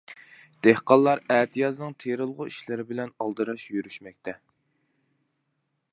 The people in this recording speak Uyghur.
دېھقانلار ئەتىيازنىڭ تېرىلغۇ ئىشلىرى بىلەن ئالدىراش يۈرۈشمەكتە.